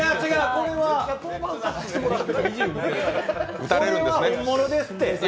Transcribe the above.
これは本物ですって！